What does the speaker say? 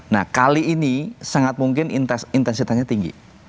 nah kali ini sangat mungkin intensitasnya tinggi